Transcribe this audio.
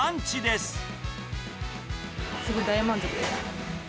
すごい大満足です。